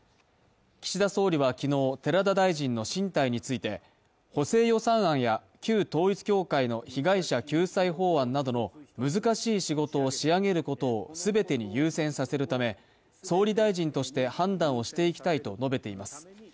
岸田総理は昨日、寺田大臣の進退について補正予算案や旧統一教会の被害者救済法案などの難しい仕事を仕上げることを全てに優先させるため総理大臣として判断をしていきたいと述べています。